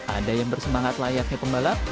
ada yang bersemangat layaknya pembalap